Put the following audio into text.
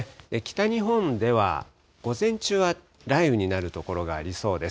北日本では、午前中は雷雨になる所がありそうです。